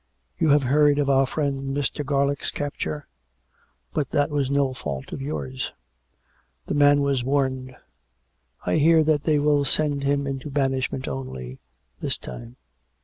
'' You have heard of our friend Mr. Garlick's capture? But that was no fault of yours. The man was warned. I hear that they will send him into banishment, only, this time."